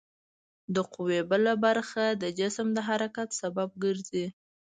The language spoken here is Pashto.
د قوې بله برخه د جسم د حرکت سبب ګرځي.